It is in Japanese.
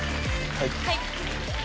はい。